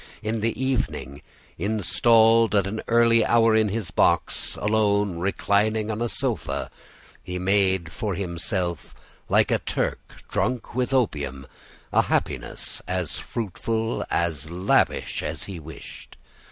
In the evening, installed at an early hour in his box, alone, reclining on a sofa, he made for himself, like a Turk drunk with opium, a happiness as fruitful, as lavish, as he wished.